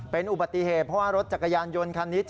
เป็นอุบัติเหตุเพราะว่ารถจักรยานยนต์คันนี้